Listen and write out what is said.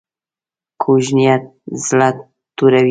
کوږ نیت زړه توروي